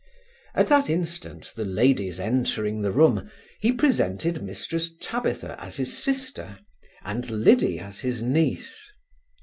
At that instant the ladies entering the room, he presented Mrs Tabitha as his sister, and Liddy as his niece.